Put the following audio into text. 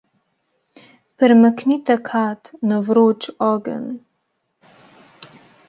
Premaknite kad na vroč ogenj.